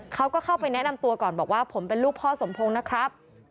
เขาก็เข้าไปแนะนำตัวก่อนบอกว่าผมเป็นลูกพ่อสมพงศ์นะครับ